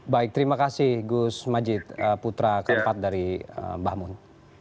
baik terima kasih gus majid putra keempat dari mbah mun